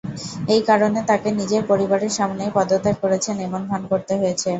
এই কারণে, তাকে নিজের পরিবারের সামনেই পদত্যাগ করেছেন এমন ভান করতে হয়েছে।